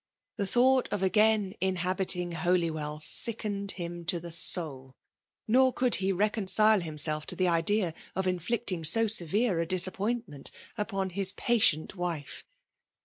The thought of agam inhabitbg Holywell sick^ ened him to the soul ; nor could he reconcile himself to the idea of inflicting so severe a disappointment upon his patient wife.